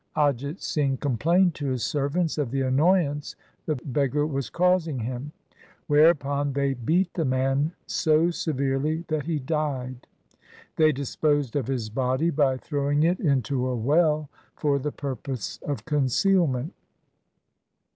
Ajit Singh complained to his servants of the annoyance the beggar was causing him, whereupon they beat the man so severely that he died. They disposed of his body by throwing it into a well for the purpose of concealment.